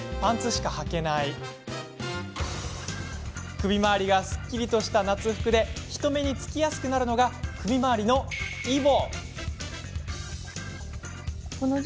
首周りがすっきりとした夏服で人目につきやすくなるのが首周りのイボ。